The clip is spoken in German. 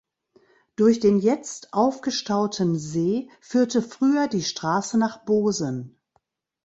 Durch den jetzt aufgestauten See führte früher die Straße nach Bosen.